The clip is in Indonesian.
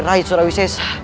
rai surawi cesa